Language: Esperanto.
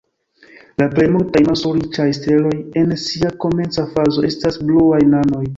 La plej multaj maso-riĉaj steloj en sia komenca fazo estas bluaj nanoj.